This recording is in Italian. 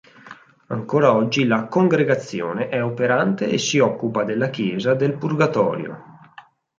Ancora oggi la congregazione è operante e si occupa della Chiesa del Purgatorio.